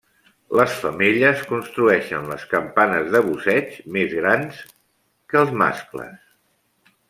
Les femelles construeixen les campanes de busseig més grans que els mascles.